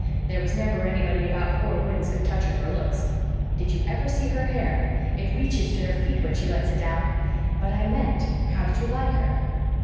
There was never anybody about Four Winds could touch her for looks. Did you ever see her hair? It reaches to her feet when she lets it down. But I meant how did you like her?"